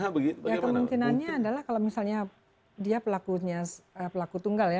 ya kemungkinannya adalah kalau misalnya dia pelakunya pelaku tunggal ya